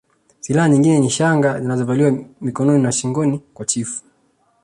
Silaha nyingine ni shanga zinazovaliwa mikononi na shingoni kwa chifu